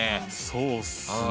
そうっすね。